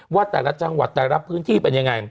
ว่าแต่ละจังหวัดแต่ละพื้นที่เป็นยังไง